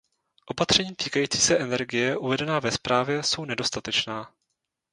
Opatření týkající se energie, uvedená ve zprávě, jsou nedostatečná.